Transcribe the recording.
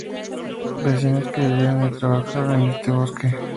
vecinos que vivieron y trabajaron en este bosque